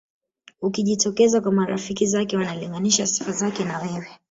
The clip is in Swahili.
Ukijitokeza kwa marafiki zake wanalinganisha sifa zake na wewe